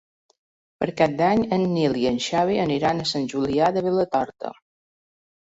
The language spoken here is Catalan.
Per Cap d'Any en Nil i en Xavi aniran a Sant Julià de Vilatorta.